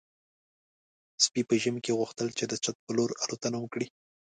سپي په ژمي کې غوښتل چې د چت په لور الوتنه وکړي.